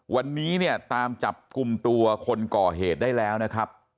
วันนี้เนี่ยตามจับกลุ่มตัวคนก่อเหตุได้แล้วนะครับ